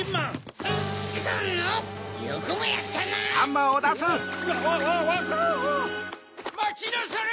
まちなされ！